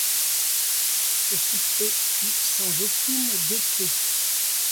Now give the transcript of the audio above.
Ce souper fut sans aucune gaieté.